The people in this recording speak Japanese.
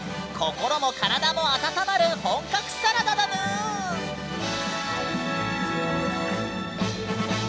心も体も温まる本格サラダだぬん。